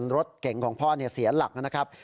รถเก่งของพ่อเสียหลักนะครับ